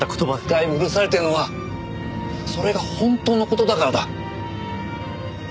使い古されてるのはそれが本当の事だからだ。